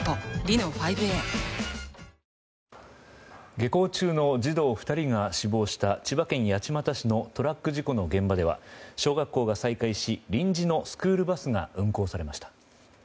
下校中の児童２人が死亡した千葉県八街市のトラック事故の現場では小学校が再開し臨時のスクールバスが運行されました。